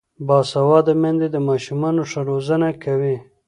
باسواده میندې د ماشومانو ښه روزنه کوي.